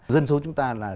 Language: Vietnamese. dân số chúng ta là